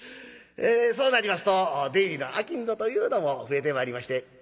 そうなりますと出入りの商人というのも増えてまいりまして。